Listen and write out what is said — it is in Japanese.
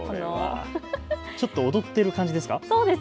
ちょっと踊ってる感じですか。